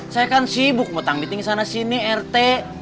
saya kan sibuk mau tanggiting sana sini rt